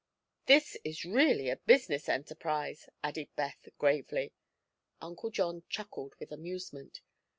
"This is really a business enterprise," added Beth gravely. Uncle John chuckled with amusement.